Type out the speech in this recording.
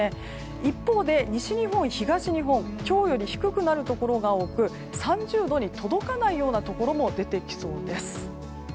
一方で、西日本、東日本今日より低くなるところが多く３０度に届かないようなところも出てきそうです。